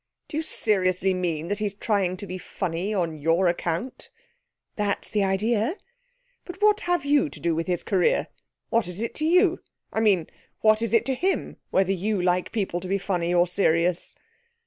'Do you seriously mean that he's trying to be funny on your account?' 'That's the idea.' 'But what have you to do with his career? What is it to you? I mean, what is it to him whether you like people to be funny or serious?'